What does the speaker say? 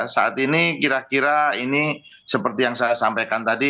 saat ini kira kira ini seperti yang saya sampaikan tadi